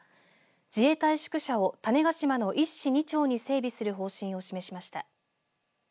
自衛隊宿舎を種子島の１市２町に整備する方針を示しました。